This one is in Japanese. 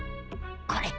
これ！